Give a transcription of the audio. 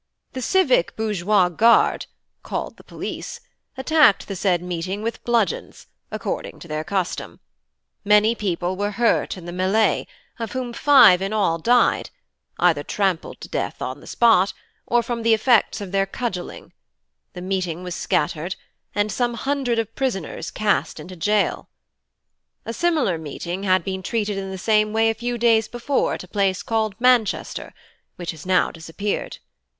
The civic bourgeois guard (called the police) attacked the said meeting with bludgeons, according to their custom; many people were hurt in the melee, of whom five in all died, either trampled to death on the spot, or from the effects of their cudgelling; the meeting was scattered, and some hundred of prisoners cast into gaol. A similar meeting had been treated in the same way a few days before at a place called Manchester, which has now disappeared.